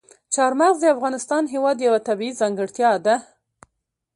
چار مغز د افغانستان هېواد یوه طبیعي ځانګړتیا ده.